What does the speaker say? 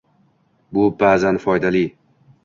bu baʼzan foydali.